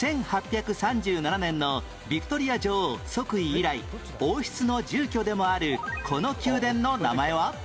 １８３７年のビクトリア女王即位以来王室の住居でもあるこの宮殿の名前は？